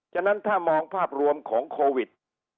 ฉะนั้นถ้ามองภาพรวมของโควิด